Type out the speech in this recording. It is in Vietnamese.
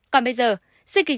còn bây giờ xin kính chào tạm biệt